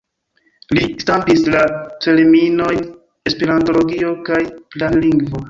Li stampis la terminojn esperantologio kaj planlingvo.